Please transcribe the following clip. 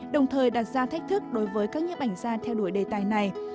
đồng thời đặt ra thách thức đối với các nhếp ảnh gia theo đuổi đề tài này